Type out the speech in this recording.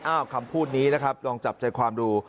คำพูดนี้นะครับลองจับใจความดู